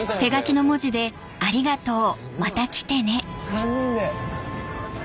３人で。